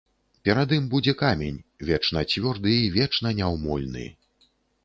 Перад ім будзе камень, вечна цвёрды і вечна няўмольны!